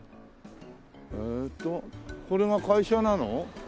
えーっとこれが会社なの？